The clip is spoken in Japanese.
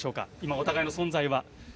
お互いの存在は。